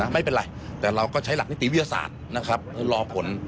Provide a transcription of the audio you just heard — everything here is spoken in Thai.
ไม่เป็นไรแต่เราก็ใช้หลักนิติวิทยาศาสตร์นะครับรอผล